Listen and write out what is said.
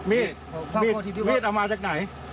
มีดมีดเอามาจากไหน